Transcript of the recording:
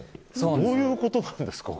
どういうことなんですか？